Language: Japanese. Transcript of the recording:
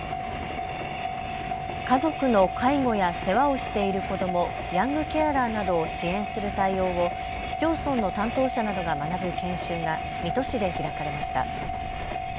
家族の介護や世話をしている子ども、ヤングケアラーなどを支援する対応を市町村の担当者などが学ぶ研修が水戸市で開かれました。